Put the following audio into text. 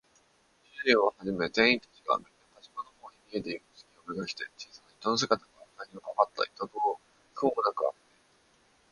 主人をはじめ店員たちが、みんな火事場のほうへ行っているすきをめがけて、小さな人の姿が、かぎのかかった板戸をくもなくあけて、